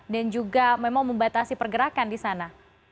dan juga memang membatasi pergerakan di sana